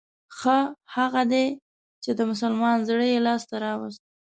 ښه هغه دی چې د مسلمان زړه يې لاس ته راووست.